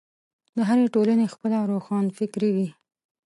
د هرې ټولنې خپله روښانفکري وي.